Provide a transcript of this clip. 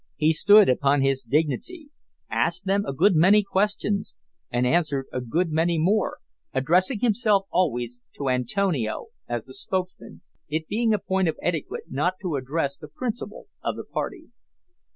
He stood upon his dignity; asked them a good many questions, and answered a good many more, addressing himself always to Antonio as the spokesman, it being a point of etiquette not to address the principal of the party.